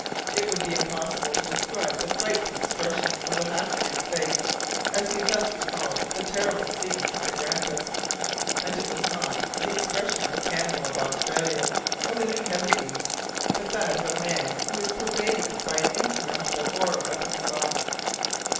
It would be impossible to describe the frightful expression of the half breed's face as he thus recalled the terrible scenes of the Grampus. And it was not the expression of a cannibal of Australia or the New Hebrides, but that of a man who is pervaded by an insurmountable horror of himself.